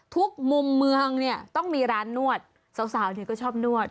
ทุกมุมเมืองเนี่ยต้องมีร้านนวดสาวเนี่ยก็ชอบนวด